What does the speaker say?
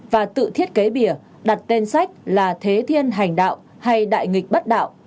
và tự thiết kế bìa đặt tên sách là thế thiên hành đạo hay đại nghịch bất đạo